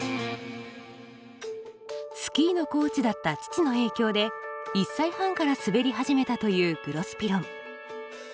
スキーのコーチだった父の影響で１歳半から滑り始めたというグロスピロン。